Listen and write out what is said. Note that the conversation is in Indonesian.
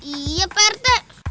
iya pak rt